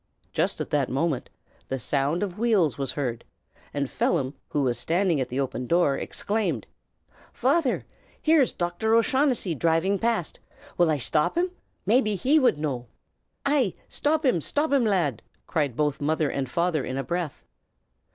Just at that moment the sound of wheels was heard; and Phelim, who was standing at the open door, exclaimed, "Father! here's Docthor O'Shaughnessy dhrivin' past. Will I shtop him? Maybe he wud know." "Ay, shtop him! shtop him, lad!" cried both mother and father in a breath.